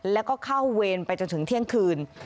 แล้วก็เข้าเวรไปจนถึงเที่ยงคืน